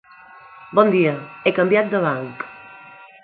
Bon dia, he canviat de banc.